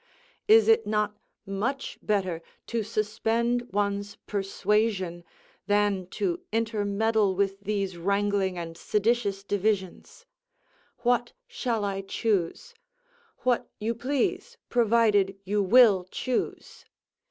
Is it not much better to suspend one's persuasion than to intermeddle with these wrangling and seditious divisions: "What shall I choose?" "What you please, provided you will choose."